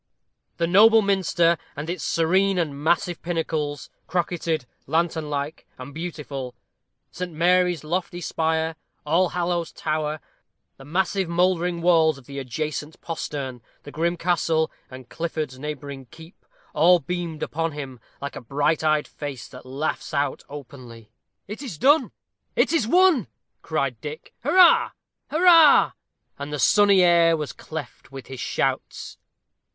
The noble Minster and its serene and massive pinnacles, crocketed, lantern like, and beautiful; St. Mary's lofty spire, All Hallows Tower, the massive mouldering walls of the adjacent postern, the grim castle, and Clifford's neighboring keep all beamed upon him, like a bright eyed face, that laughs out openly. "It is done it is won," cried Dick. "Hurrah! hurrah!" And the sunny air was cleft with his shouts.